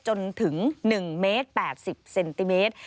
จนถึง๑เมตร๘๐เซนติเมตร